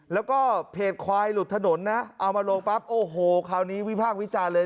แล้วก็เพจควายหลุดถนนนะเอามาลงปั๊บโอ้โหคราวนี้วิพากษ์วิจารณ์เลย